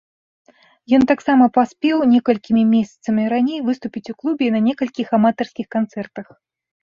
Ён таксама паспеў некалькімі месяцамі раней выступіць у клубе і на некалькіх аматарскіх канцэртах.